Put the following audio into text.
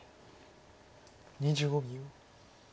２５秒。